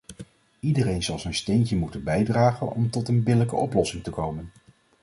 Iedereen zal zijn steentje moeten bijdragen om tot een billijke oplossing te komen.